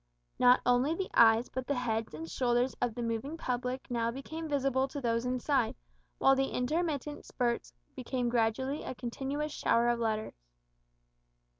Not only the eyes but the heads and shoulders of the moving public now became visible to those inside, while the intermittent spurts became gradually a continuous shower of letters.